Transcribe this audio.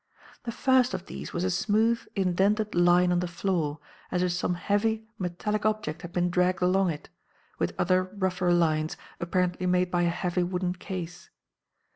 "The first of these was a smooth, indented line on the floor, as if some heavy, metallic object had been dragged along it, with other, rougher lines, apparently made by a heavy wooden case.